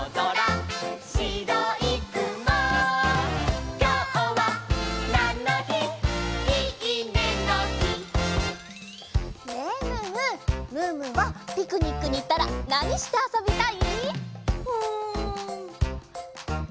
チョロミーはピクニックにいったらなにしてあそびたい？